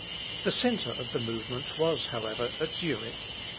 ] The centre of the movement was, however, at Zurich.